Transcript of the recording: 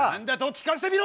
聞かせてみろ！